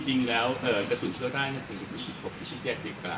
จริงแล้วกระสุนเขาได้แล้วก็คือถึงที่หากได้แค่เจ็ดกาย